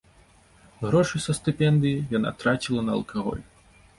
Грошы са стыпендыі яна траціла на алкаголь.